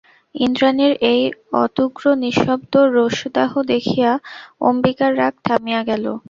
ইন্দ্রাণীর এই অত্যুগ্র নিঃশব্দ রোষদাহ দেখিয়া অম্বিকার রাগ থামিয়া গেল।